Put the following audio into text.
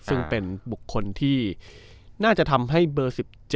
ซึ่งเป็นบุคคลที่น่าจะทำให้เบอร์๑๗